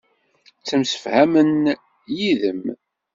Ttemsefhamen yid-m.